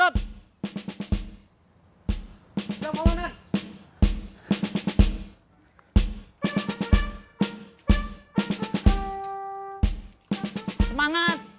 siap satu komandan